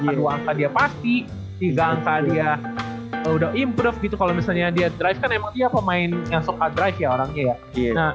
tiga angka dia pasti tiga angka dia udah improve gitu kalo misalnya dia drive kan emang dia pemain yang suka drive ya orangnya ya